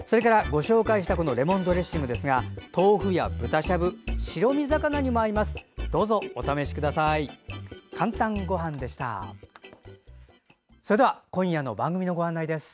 ご紹介したレモンドレッシングは豆腐や豚しゃぶ、白身魚にも合います。